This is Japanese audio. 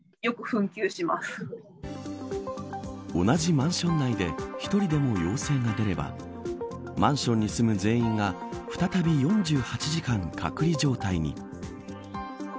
同じマンション内で１人でも陽性が出ればマンションに住む全員が再び４８時間、隔離状態に。